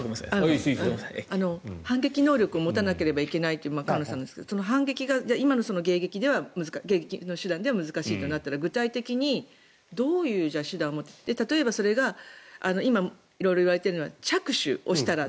反撃能力を持たなければいけないという河野さんの話反撃が今の迎撃の手段では難しいとなったら具体的にどういう手段をもって例えばそれが今、色々言われているのは着手したら。